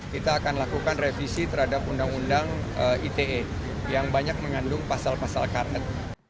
kita akan lakukan revisi terhadap undang undang ite yang banyak mengandung pasal pasal karet